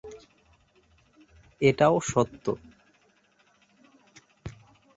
এটাও সত্য।